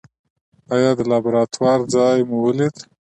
ایا د لابراتوار ځای مو ولید؟